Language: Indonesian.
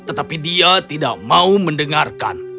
tetapi dia tidak mau mendengarkan